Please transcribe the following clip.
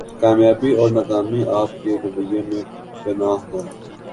کامیابی اور ناکامی آپ کے رویہ میں پنہاں ہے